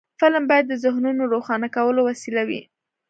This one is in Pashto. فلم باید د ذهنونو روښانه کولو وسیله وي